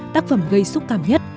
tác phẩm gây xúc cảm nhất